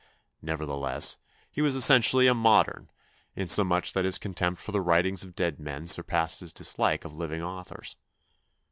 Nevertheless, he was essen tially a modern, insomuch that his contempt for the writings of dead men surpassed his dislike of living authors.